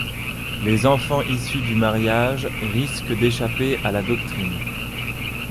Les enfants issus du mariage risquent d'échapper à la doctrine.